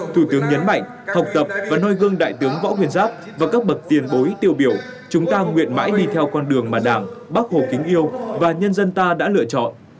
thủ tướng nhấn mạnh học tập và nuôi gương đại tướng võ nguyên giáp và các bậc tiền bối tiêu biểu chúng ta nguyện mãi đi theo con đường mà đảng bác hồ kính yêu và nhân dân ta đã lựa chọn